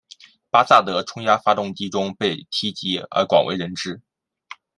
巴萨德冲压发动机中被提及而广为所知。